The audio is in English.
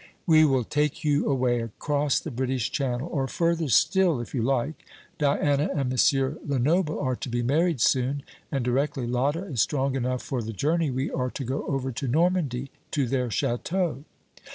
"We will take you away across the British Channel, or further still, if you like. Diana and M. Lenoble are to be married soon; and directly Lotta is strong enough for the journey we are to go over to Normandy, to their chateau."